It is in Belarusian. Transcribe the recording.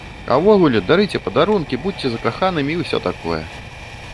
А ўвогуле, дарыце падарункі, будзьце закаханымі і ўсё такое!